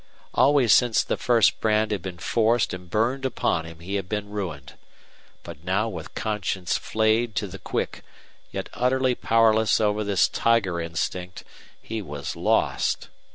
Always since the first brand had been forced and burned upon him he had been ruined. But now with conscience flayed to the quick, yet utterly powerless over this tiger instinct, he was lost.